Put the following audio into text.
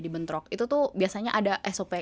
dibentrok itu tuh biasanya ada sop